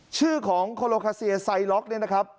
ชื่อของโคโลคาเซียไซล็อกเนี่ยนะครับ